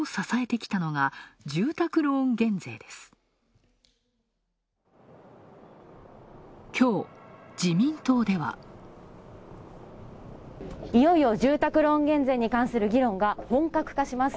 いよいよ住宅ローン減税に関する議論が本格化します。